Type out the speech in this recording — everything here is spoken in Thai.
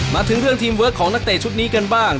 มาถึงเรื่องทีมเวิร์คของนักเตะชุดนี้กันบ้าง